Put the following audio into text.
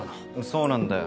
そうなんだよ。